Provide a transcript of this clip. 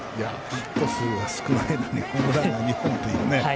ヒット数が少ないのにホームランが２本というね。